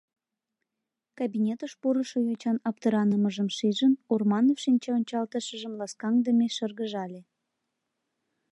Кабинетыш пурышо йочан аптыранымыжым шижын, Урманов шинчаончалтышыжым ласкаҥдыме шыргыжале.